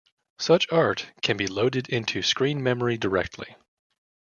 Such art can be loaded into screen memory directly.